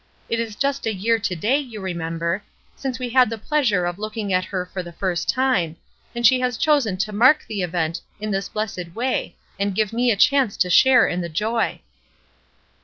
It is just a year to day, you remember, since we had the pleasure of looking at her for the first time, and she has chosen to mark the event in this blessed way and give me a chance to share in the joy."